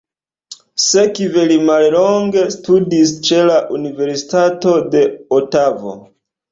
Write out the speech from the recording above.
Sekve li mallonge studis ĉe la Universitato de Otavo.